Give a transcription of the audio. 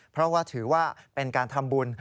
เพราะว่าถือว่าเป็นการทำบุญ